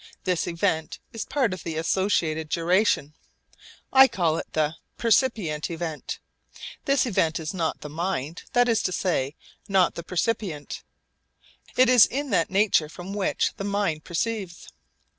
This event is part of the associated duration. I call it the 'percipient event.' This event is not the mind, that is to say, not the percipient. It is that in nature from which the mind perceives.